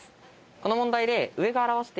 この問題で。